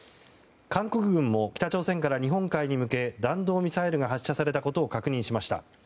韓国軍も北朝鮮から日本海に向け弾道ミサイルが発射されたことを確認しました。